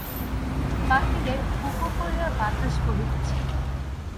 বাহিরে হুহু করিয়া বাতাস বহিতেছে।